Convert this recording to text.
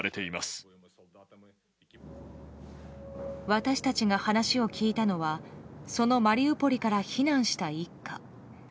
私たちが話を聞いたのはそのマリウポリから避難した一家。